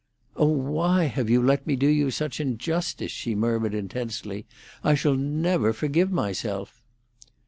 "Oh, why have you let me do you such injustice?" she murmured intensely. "I never shall forgive myself."